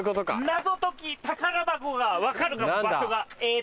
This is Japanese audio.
謎解き宝箱が分かるかも場所が。